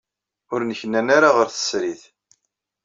Ur nneknan ara ɣer tsertit.